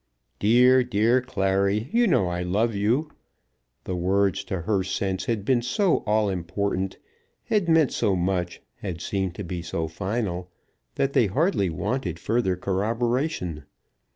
"Dear, dear Clary, you know I love you." The words to her sense had been so all important, had meant so much, had seemed to be so final, that they hardly wanted further corroboration.